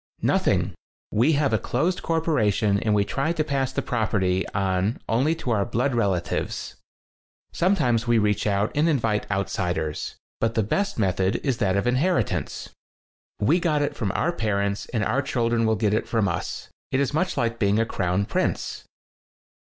"Nothing. We have a closed cor poration and we try to pass the prop erty on only to our blood relatives. Sometimes we reach out and invite outsiders. But the best method is that of inheritance. We got it from our parents, and our children will get it from us. It's much like being a crown prince."